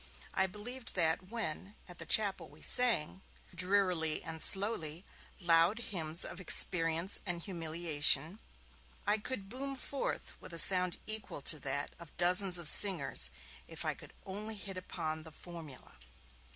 I believed that, when, at the Chapel, we sang, drearily and slowly, loud hymns of experience and humiliation, I could boom forth with a sound equal to that of dozens of singers, if I could only hit upon the formula.